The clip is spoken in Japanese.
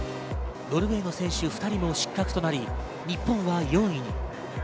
ノルウェーの選手２人も失格となり、日本は４位に。